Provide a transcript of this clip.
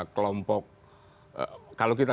kelompok kalau kita